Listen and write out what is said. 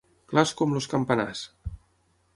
Clars com els campanars.